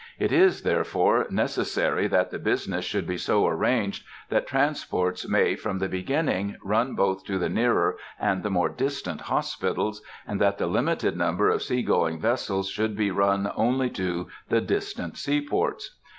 It is, therefore, necessary that the business should be so arranged that transports may, from the beginning, run both to the nearer and the more distant hospitals, and that the limited number of sea going vessels should be run only to the distant seaports.